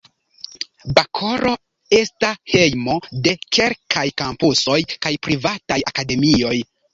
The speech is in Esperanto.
Bakoro esta hejmo de kelkaj kampusoj kaj privataj akademioj.